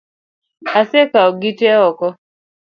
Asekawo gite ok.